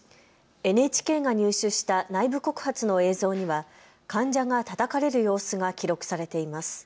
ＮＨＫが入手した内部告発の映像には患者がたたかれる様子が記録されています。